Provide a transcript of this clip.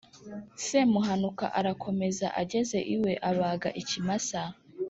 Semuhanuka arakomeza, ageze iwe abaga ikimasa